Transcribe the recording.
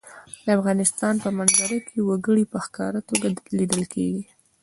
د افغانستان په منظره کې وګړي په ښکاره توګه لیدل کېږي.